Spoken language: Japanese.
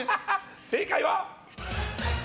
正解は。